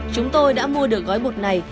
chúng tôi đã mua được gói bột này